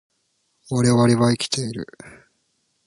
我々は生きている